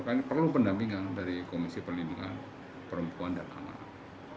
karena perlu pendampingan dari komisi perlindungan perempuan dan anak